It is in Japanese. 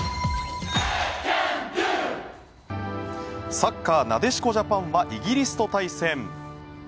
サッカーなでしこジャパンはイギリスと対戦。